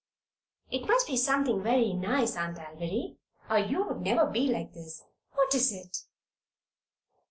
"It must be something very nice, Aunt Alviry, or you'd never be like this. What is it?"